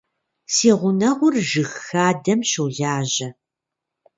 Си гъунэгъур жыг хадэм щолажьэ.